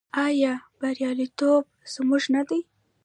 آیا بریالیتوب زموږ نه دی؟